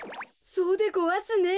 そうでごわすね。